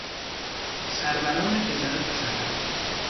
سروران تجارت و صنعت